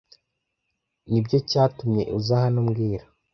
Nibyo cyatumye uza hano mbwira